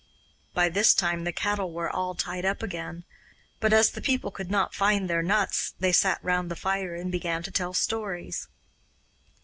By this time the cattle were all tied up again, but as the people could not find their nuts they sat round the fire and began to tell stories.